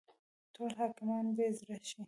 ټول حاکمان بې زړه شي.